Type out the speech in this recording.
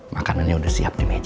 makanannya udah siap di meja